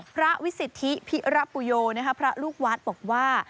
พระวิสิทธิพิระปุโยพระลูกวัดบอกว่า